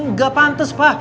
nggak pantes pak